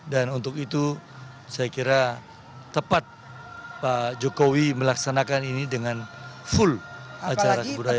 untuk itu saya kira tepat pak jokowi melaksanakan ini dengan full acara kebudayaan